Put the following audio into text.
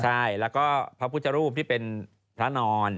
ใช่แล้วก็พระพุทธรูปที่เป็นพระนอน